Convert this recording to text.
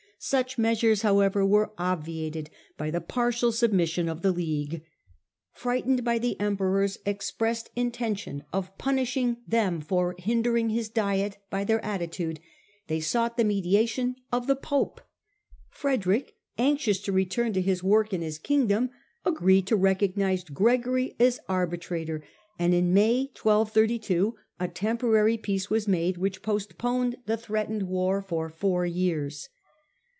Such measures, however, were obviated by the partial sub mission of the League. Frightened by the Emperor's expressed intention of punishing them for hindering his Diet by their attitude, they sought the mediation of the Pope. Frederick, anxious to return to his work in his Kingdom, agreed to recognise Gregory as arbitrator, and in May, 1232, a temporary peace was made which postponed the threatened war for four years.